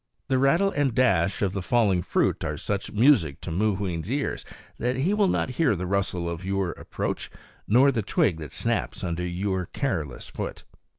The rattle and dash of the falling fruit are such music to Mooween's ears that he will not hear the rustle of your approach, nor the twig that snaps under your careless foot.